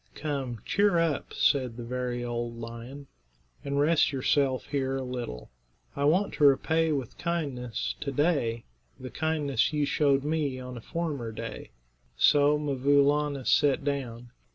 "Come, cheer up," said the very old lion, "and rest yourself here a little. I want to repay with kindness to day the kindness you showed me on a former day." So 'Mvoo Laana sat down.